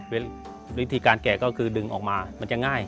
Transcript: วิธีการแกะก็คือดึงออกมามันจะง่าย